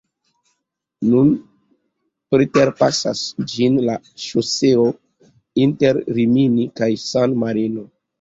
Nun preterpasas ĝin la ŝoseo inter Rimini kaj San-Marino.